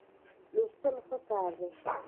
لوستل ښه کار دی.